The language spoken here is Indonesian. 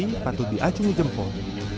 tidak patut diacungi jempol